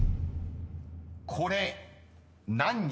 ［これ何人？］